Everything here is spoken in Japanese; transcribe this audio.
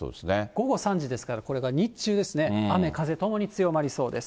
午後３時ですから、これが日中ですね、雨、風ともに強まりそうです。